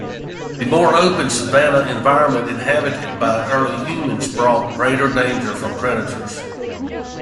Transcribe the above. The more open savannah environment inhabited by early humans brought greater danger from predators.